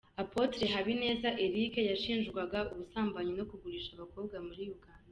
Apotre Habineza Eric yashinjwaga ubusambanyi no kugurisha abakobwa muri Uganda.